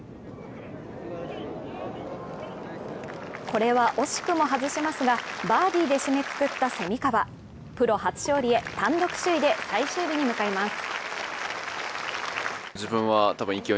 これは惜しくも外しますがバーディーで締めくくった蝉川プロ初勝利へ単独首位で最終日に向かいます。